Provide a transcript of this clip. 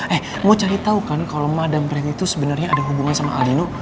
eh mau cari tau kan kalo madang preti itu sebenernya ada hubungan sama aldino